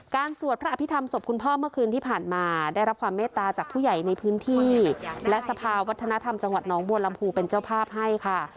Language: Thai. สวดพระอภิษฐรรมศพคุณพ่อเมื่อคืนที่ผ่านมาได้รับความเมตตาจากผู้ใหญ่ในพื้นที่และสภาวัฒนธรรมจังหวัดน้องบัวลำพูเป็นเจ้าภาพให้ค่ะ